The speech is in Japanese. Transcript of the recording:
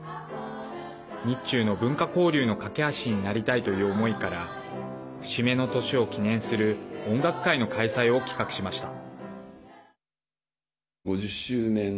日中の文化交流の懸け橋になりたいという思いから節目の年を記念する音楽会の開催を企画しました。